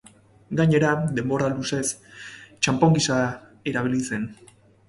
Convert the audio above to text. Gainera, denbora luzez, txanpon gisa erabili zen.